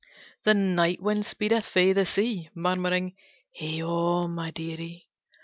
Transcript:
The night wind speedeth from the sea, Murmuring, "Heigho, my dearie!